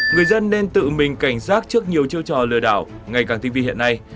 người dân nên tự mình cảnh giác trước nhiều chiêu trò lừa đảo ngày càng tinh vi hiện nay